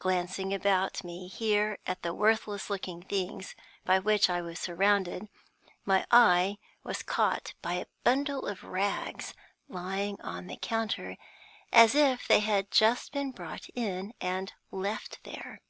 Glancing about me here at the worthless looking things by which I was surrounded, my eye was caught by a bundle of rags lying on the counter, as if they had just been brought in and left there.